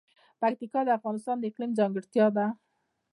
پکتیکا د افغانستان د اقلیم ځانګړتیا ده.